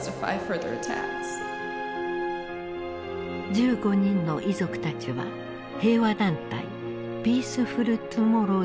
１５人の遺族たちは平和団体「ピースフル・トゥモローズ」を発足。